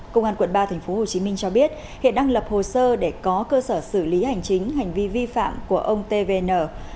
công an quận ba tp hcm cho biết hiện đang lập hồ sơ để có cơ sở xử lý hành chính hành vi vi phạm của ông tvn